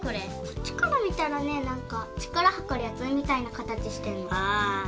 こっちからみたらねなんかちからはかるやつみたいなかたちしてるの。